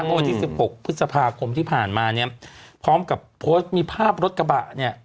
วันที่๑๖พฤษภาคมที่ผ่านมาเนี่ยพร้อมกับโพสต์มีภาพรถกระบะเนี่ย